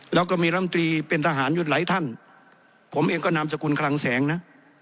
แล้วก็มีรำตรีเป็นทหารอยู่หลายท่านผมเองก็นามสกุลคลังแสงนะ